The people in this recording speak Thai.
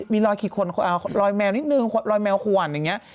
มีรอยขีดขวนรอยแมวนิดนึงรอยแมวขวนอย่างนี้